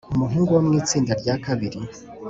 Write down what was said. Umuhungu wo mu itsinda ryakabiri